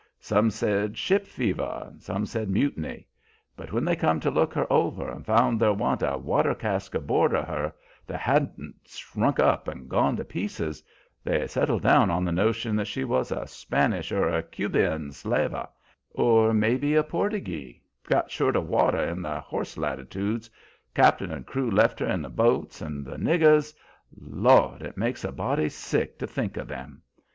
Some said ship fever, some said mutiny; but when they come to look her over and found there wan't a water cask aboard of her that hadn't s'runk up and gone to pieces, they settled down on the notion that she was a Spanish or a Cubian slaver, or may be a Portagee, got short o' water in the horse latitudes; cap'n and crew left her in the boats, and the niggers Lord! it makes a body sick to think o' them.